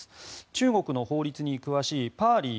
中国の法律に詳しいパーリー